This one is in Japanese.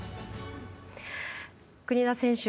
国枝選手